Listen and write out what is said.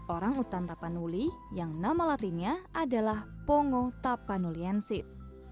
orang utan tapanuli yang nama latinnya adalah pongo tapanuliensit